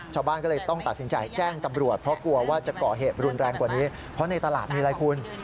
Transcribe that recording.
ชาวบ้านก็เลยต้องตัดสินใจแจ้งตำรวจเพราะกลัวว่าจะก่อเหตุรุนแรงกว่านี้เพราะในตลาดมีอะไรคุณ